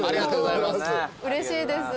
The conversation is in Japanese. うれしいです。